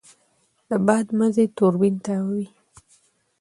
د باد مزی توربین تاووي.